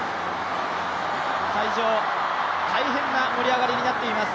会場、大変な盛り上がりになっています。